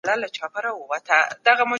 ټول معلومات په ډیټابیس کي خوندي سول.